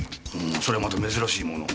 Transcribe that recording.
それはまた珍しいものを。